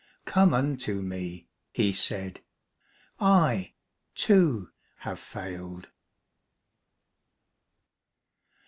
Come unto Me,' He said; 'I, too, have failed.